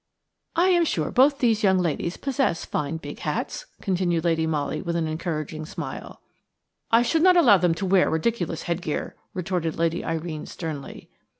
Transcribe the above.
"I am sure both these young ladies possess fine big hats," continued Lady Molly with an encouraging smile. "I should not allow them to wear ridiculous headgear," retorted Lady Irene, sternly.